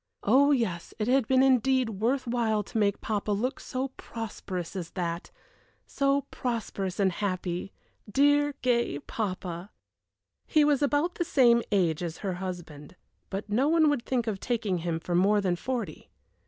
Oh yes, it had been indeed worth while to make papa look so prosperous as that so prosperous and happy dear, gay papa! He was about the same age as her husband, but no one would think of taking him for more than forty.